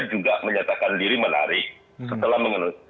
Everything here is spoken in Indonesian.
juga menyatakan diri menarik setelah mengenus